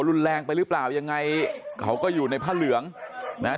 รุนแรงไปหรือเปล่ายังไงเขาก็อยู่ในผ้าเหลืองนะฮะ